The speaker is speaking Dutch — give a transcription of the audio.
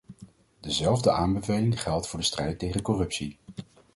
Dezelfde aanbeveling geldt voor de strijd tegen corruptie.